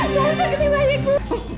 jangan sakiti bayiku